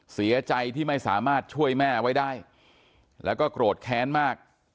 เสียใจที่ไม่สามารถช่วยแม่ไว้ได้แล้วก็โกรธแค้นมาก